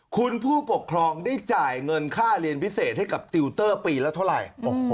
คุณผู้ปกครองได้จ่ายเงินค่าเรียนพิเศษให้กับติวเตอร์ปีละเท่าไหร่